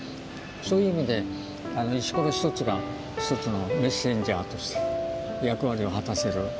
そういう意味で石ころ一つが一つのメッセンジャーとして役割を果たせる。